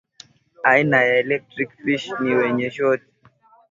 aina ya Electric Fish ni wenye shoti